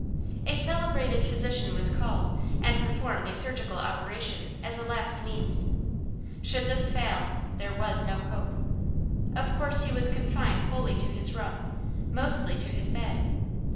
A celebrated physician was called, and performed a surgical operation, as a last means. Should this fail, there was no hope. Of course he was confined wholly to his room, mostly to his bed.